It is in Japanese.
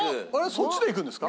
そっちでいくんですか？